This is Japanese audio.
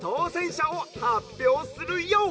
しゃをはっぴょうするＹＯ！」。